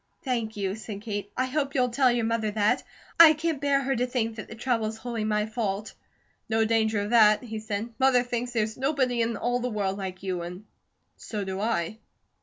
"Thank you," said Kate. "I hope you'll tell your mother that. I can't bear her to think that the trouble is wholly my fault." "No danger of that," he said. "Mother thinks there's nobody in all the world like you, and so do I."